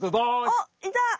おっいた！